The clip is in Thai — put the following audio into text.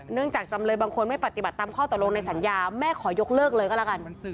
จากจำเลยบางคนไม่ปฏิบัติตามข้อตกลงในสัญญาแม่ขอยกเลิกเลยก็แล้วกัน